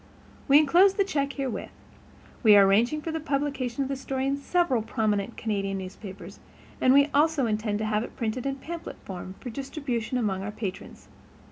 We enclose the check herewith. We are arranging for the publication of the story in several prominent Canadian newspapers, and we also intend to have it printed in pamphlet form for distribution among our patrons.